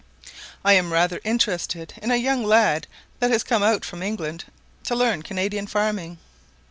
I am rather interested in a young lad that has come out from England to learn Canadian farming.